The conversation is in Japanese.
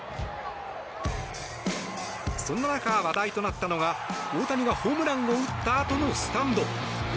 そんな中、話題となったのは大谷がホームランを打ったあとのスタンド。